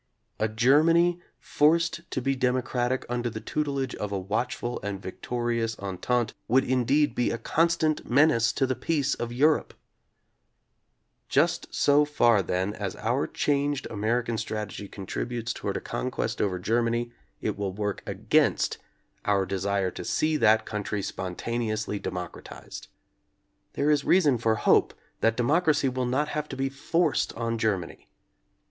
A Germany forced to be de mocratic un der the tutelage of a watchful and victorious En tente would indeed be a constant menace to the peace oPEurope] JusTso far then as our changed American strategy contributes toward a conquest over Germany, it will work against our desire to [8 4 ] see that country spontaneously democratized. There is reason for hope that democracy will not have to be forced on Germany.